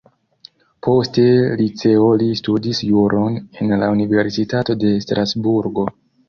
Poste liceo li studis juron en la universitato de Strasburgo.